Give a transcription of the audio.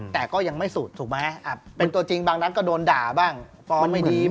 แต่ก็ยังไม่สุดถูกไหมเป็นตัวจริงบางนัดก็โดนด่าบ้างฟอร์มไม่ดีบ้าง